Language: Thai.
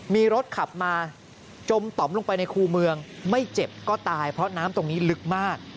มีรถขับมาจมต่อมลงไปในคู่เมืองไม่เจ็บก็ตายเพราะน้ำตรงนี้ลึกมาก